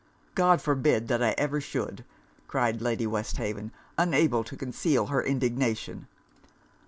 'God forbid that I ever should!' cried Lady Westhaven, unable to conceal her indignation.